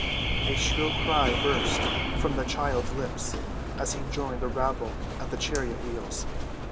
A shrill cry burst from the child's lips as he joined the rabble at the chariot‐wheels.